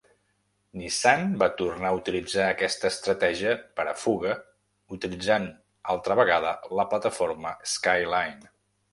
Nissan va tornar a utilitzar aquesta estratègia per a Fuga, utilitzant altra vegada la plataforma Skyline.